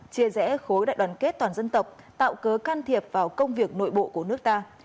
chia rẽ khối đại đoàn kết toàn dân tộc tạo cớ can thiệp vào công việc nội bộ của nước ta